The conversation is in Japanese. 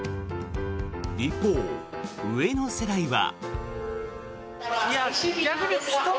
一方、上の世代は。